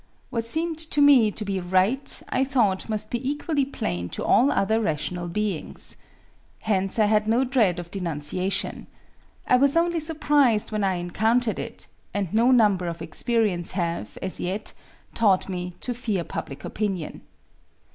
What seemed to me to be right I thought must be equally plain to all other rational beings. Hence I had no dread of denunciation. I was only surprised when I encountered it, and no number of experiences have, as yet, taught me to fear public opinion.